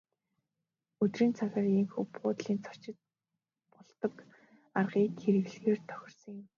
Өдрийн цагаар ийнхүү буудлын зочин болдог аргыг хэрэглэхээр тохирсон юм.